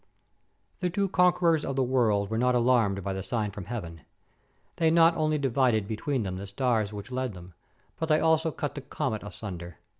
The two conquerors of the world were not alarmed by the sign from Heaven. They not only divided between them the stars which led them, but they also cut the comet asunder!